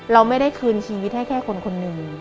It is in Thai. เราไม่ได้คืนชีวิตให้แค่คนคนหนึ่ง